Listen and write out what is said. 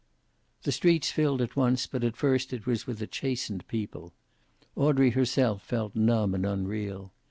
The streets filled at once, but at first it was with a chastened people. Audrey herself felt numb and unreal.